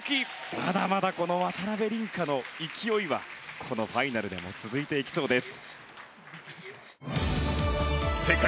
まだまだこの渡辺倫果の勢いはこのファイナルでも続いていきそうです。